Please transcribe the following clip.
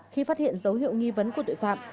khi phát hiện dấu hiệu nghi vấn của tội phạm